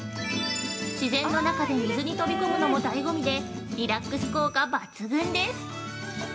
自然の中で水に飛び込むのもだいご味で、リラックス効果抜群です。